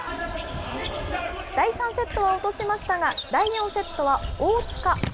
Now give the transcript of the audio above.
第３セットは落としましたが、第４セットは大塚。